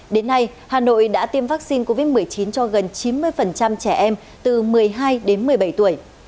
đến nay hà nội đã tiêm vaccine covid một mươi chín cho gần chín mươi trẻ em từ một mươi hai đến một mươi bảy tuổi